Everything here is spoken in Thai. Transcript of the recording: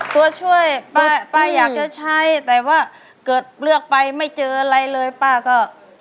ตัวช่วยป้าอยากจะใช้แต่ว่าเกิดเลือกไปไม่เจออะไรเลยป้าก็